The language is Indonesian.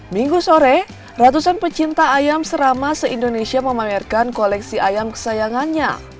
minggu sore ratusan pecinta ayam serama se indonesia memamerkan koleksi ayam kesayangannya